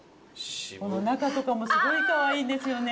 この中とかもすごいかわいいんですよね。